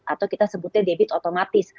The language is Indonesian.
atau kita sebutnya debit otomatis